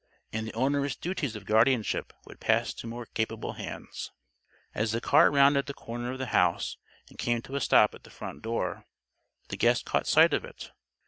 And the onerous duties of guardianship would pass to more capable hands. As the car rounded the corner of the house and came to a stop at the front door, the guest caught sight of it.